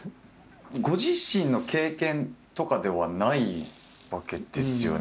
ご自身の経験とかではないわけですよね？